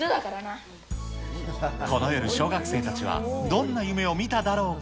この夜、小学生たちはどんな夢を見ただろうか。